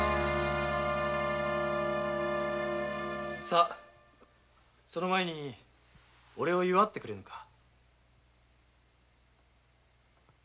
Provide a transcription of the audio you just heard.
さぁその前にオレを祝ってくれぬか。